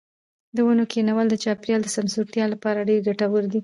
د ونو کښېنول د چاپیریال د سمسورتیا لپاره ډېر ګټور دي.